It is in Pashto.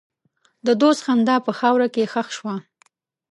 د دوست خندا په خاوره کې ښخ شوه.